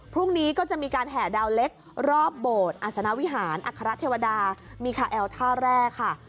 พรุ่งนี้ก็จะมีการแห่ดาวเล็กรอบโบสถอัศนาวิหารอัครเทวดามีคาแอลท่าแร่ค่ะ